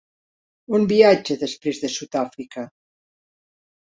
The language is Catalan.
On viatja després de Sud-àfrica?